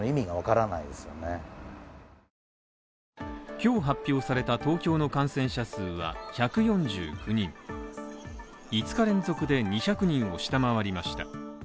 今日発表された東京の感染者数は１４９人５日連続で２００人を下回りました。